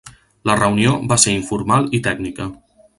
La reunió va ser informal i tècnica.